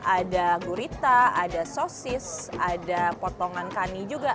ada gurita ada sosis ada potongan kani juga